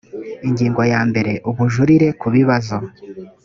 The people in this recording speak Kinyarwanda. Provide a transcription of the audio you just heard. ingingo ya mbere ubujurire ku bibazo